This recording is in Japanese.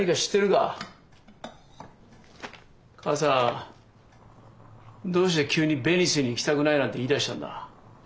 かあさんどうして急にベニスに行きたくないなんて言いだしたんだ？